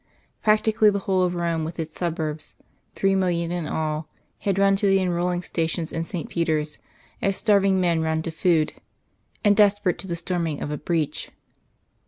Practically the whole of Rome with its suburbs three millions in all had run to the enrolling stations in St. Peter's as starving men run to food, and desperate to the storming of a breach.